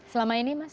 selama ini mas